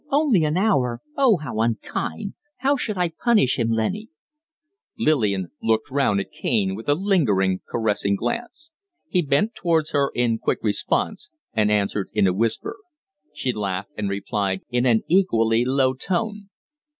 "Only an hour! Oh, how unkind! How should I punish him, Lennie?" Lillian looked round at Kaine with a lingering, caressing glance. He bent towards her in quick response and answered in a whisper. She laughed and replied in an equally low tone.